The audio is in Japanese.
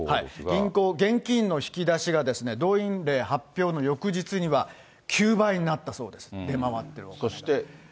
銀行、現金の引き出しが動員令発表の翌日には９倍になったそうです、そして。